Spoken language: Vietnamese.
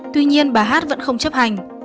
tuy nhiên bà hát vẫn không chấp hành